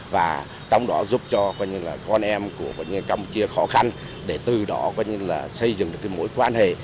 và trong đó giúp cho con em của campuchia khó khăn để từ đó xây dựng được mối quan hệ